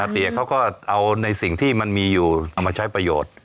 เตี๋ยเขาก็เอาในสิ่งที่มันมีอยู่เอามาใช้ประโยชน์